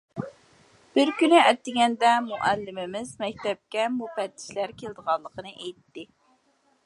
بىر كۈنى ئەتىگەندە مۇئەللىمىمىز مەكتەپكە مۇپەتتىشلەر كېلىدىغانلىقىنى ئېيتتى.